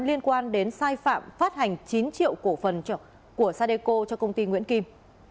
liên quan đến sai phạm phát hành chín triệu cổ phần của sadeco cho công ty nguyễn kim